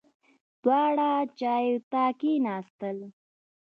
دواړه چایو ته کېناستل.